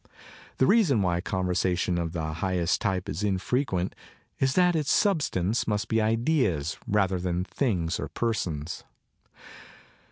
The reason why conversation of the highest 161 CONCERNING CONVERSATION type is infrequent is that its substance must be ideas rather than things or persons.